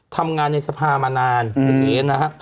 ทำงานในทรภามานานไงก็ดีนะฮะ